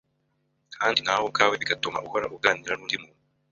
kandi nawe ubwawe bigatuma uhora uganira n’undi muntu